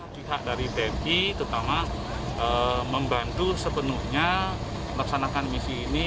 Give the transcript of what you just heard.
pihak dari tni terutama membantu sepenuhnya melaksanakan misi ini